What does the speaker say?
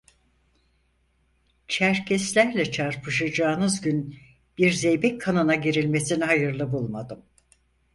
Çerkeslerle çarpışacağınız gün bir zeybek kanına girilmesini hayırlı bulmadım.